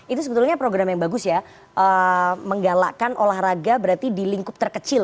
itu sebetulnya program yang bagus ya menggalakkan olahraga berarti di lingkup terkecil